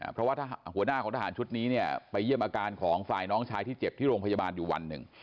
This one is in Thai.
เพราะว่าถ้าหัวหน้าของทหารชุดนี้เนี่ยไปเยี่ยมอาการของฝ่ายน้องชายที่เจ็บที่โรงพยาบาลอยู่วันหนึ่ง